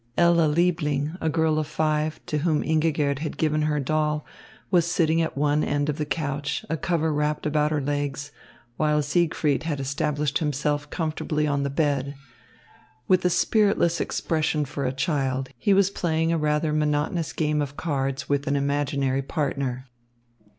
Ella Liebling, a girl of five, to whom Ingigerd had given her doll, was sitting at one end of the couch, a cover wrapped about her legs, while Siegfried had established himself comfortably on the bed. With a spiritless expression for a child, he was playing a rather monotonous game of cards with an imaginary partner.